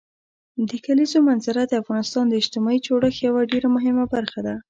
د کلیزو منظره د افغانستان د اجتماعي جوړښت یوه ډېره مهمه برخه ده.